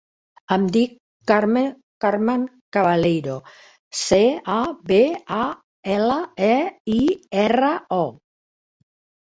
Em dic Carmen Cabaleiro: ce, a, be, a, ela, e, i, erra, o.